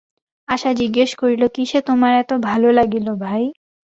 আশা জিজ্ঞাসা করিল, কিসে তোমার এত ভালো লাগিল, ভাই।